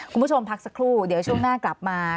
คุณผู้ชมพักสักครู่เดี๋ยวช่วงหน้ากลับมา